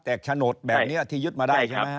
แจกฉนดแบบนี้ที่ยึดมาได้ใช่ไหมครับ